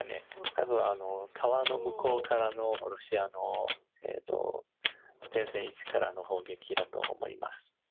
たぶん川の向こうからのロシアの前線位置からの砲撃だと思います。